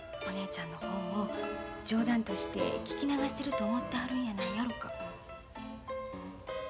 お姉ちゃんの方も冗談として聞き流してると思ってはるんやないやろか。